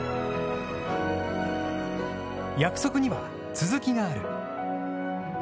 約束には続きがある。